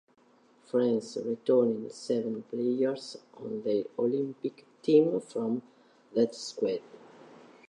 France returned seven players on their Olympic team from that squad.